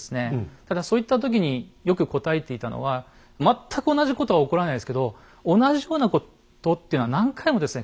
ただそういった時によく答えていたのは全く同じことは起こらないですけど「同じようなこと」っていうのは何回もですね